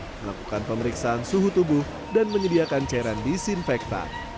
melakukan pemeriksaan suhu tubuh dan menyediakan cairan disinfektan